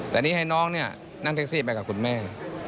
แต่นี่ให้น้องเนี่ยนั่งแท็กซี่ไปกับคุณแม่